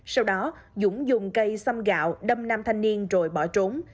sau đó dũng dùng cây xăm gạo đâm nam thanh niên rồi bỏ trốn